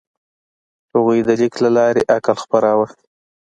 هغوی د لیک له لارې عقل خپراوه.